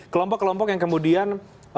kelompok kelompok yang kemudian